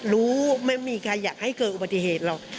รู้ไม่มีใครอยากให้เกิดอุบัติเหตุหรอก